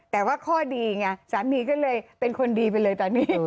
แต่ว่าข้อดีไงสามีก็เลยเป็นคนดีไปเลยตอนนี้